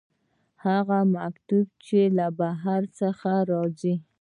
هغه مکتوب چې له بهر څخه راځي.